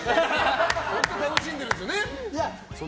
本当に楽しんでるんですよね。